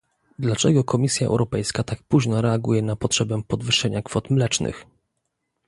Dlaczego Komisja Europejska tak późno reaguje na potrzebę podwyższenia kwot mlecznych?